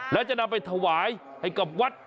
แล้วจะนำไปถวายให้กับวัด